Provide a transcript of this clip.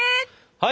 はい。